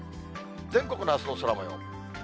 全国のあすの空もよう。